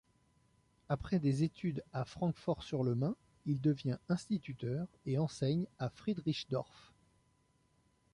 Après des études à Francfort-sur-le-Main, il devient instituteur et enseigne à Friedrichsdorf.